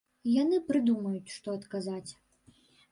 Яны прыдумаюць, што адказаць.